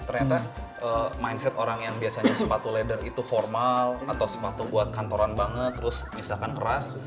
ternyata mindset orang yang biasanya sepatu lether itu formal atau sepatu buat kantoran banget terus misalkan keras